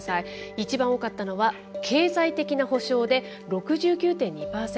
一番多かったのは「経済的な補償」で６９．２％。